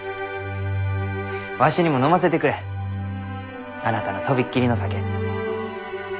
わしにも飲ませてくれあなたの飛びっ切りの酒。